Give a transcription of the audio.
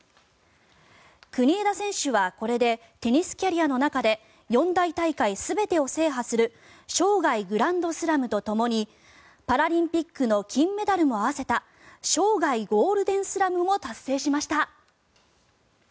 国枝選手はこれでテニスキャリアの中で四大大会全てを制覇する生涯グランドスラムとともにパラリンピックの金メダルも合わせた生涯ゴールデンスラムも達成しました。